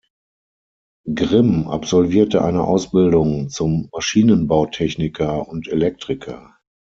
Grimm absolvierte eine Ausbildung zum Maschinenbautechniker und Elektriker.